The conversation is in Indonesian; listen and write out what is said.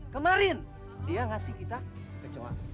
kemarin dia ngasih kita kecoa